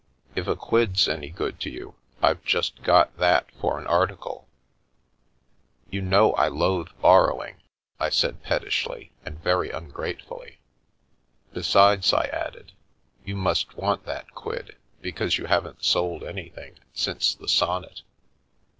" If a quid's any good to you, I've just got that for an article." " You know I loathe borrowing," I said pettishly and very ungratefully. " Besides," I added, " you must want that quid, because you haven't sold anything since the sonnet."